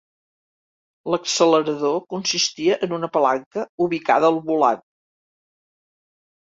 L'accelerador consistia en una palanca ubicada al volant.